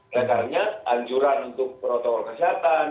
dan karena anjuran untuk protokol kesehatan